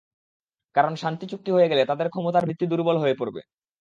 কারণ, শান্তি চুক্তি হয়ে গেলে তাদের ক্ষমতার ভিত্তি দুর্বল হয়ে পড়বে।